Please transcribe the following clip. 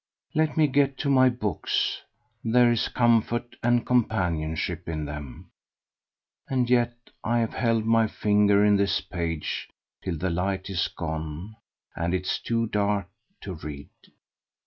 Let me get to my books, there is comfort and companionship in them; and yet I have held my finger in this page till the light is gone and it's too dark to read.